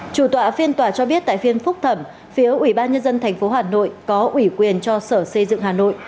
chủ tọa phiên tòa cho biết tại phiên phúc thẩm phía ủy ban nhân dân tp hà nội có ủy quyền cho sở xây dựng hà nội